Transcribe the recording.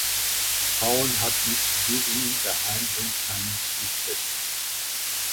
Frauen hatten zu diesem Geheimbund keinen Zutritt.